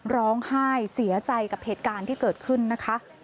ร้องไห้เสียใจกับเหตุการณ์ที่เกิดขึ้นนะคะ